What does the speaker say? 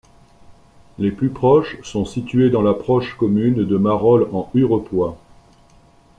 Les plus proches sont situés dans la proche commune de Marolles-en-Hurepoix.